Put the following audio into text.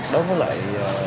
đối với lại